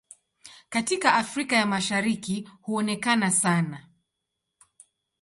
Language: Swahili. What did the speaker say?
Katika Afrika ya Mashariki huonekana sana.